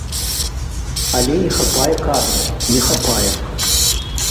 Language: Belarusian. Але не хапае кадраў, не хапае.